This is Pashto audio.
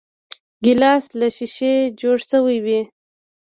ګیلاس له شیشې جوړ شوی وي.